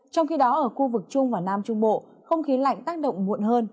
trong khi đó ở khu vực trung và nam trung bộ không khí lạnh tác động muộn hơn